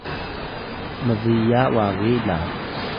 mbiya wagi lga